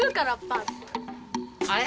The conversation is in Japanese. あれ？